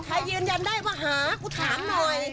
ยืนยันได้ว่าหากูถามหน่อย